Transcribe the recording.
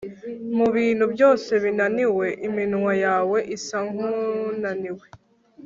mubintu byose binaniwe iminwa yawe isa nkunaniwe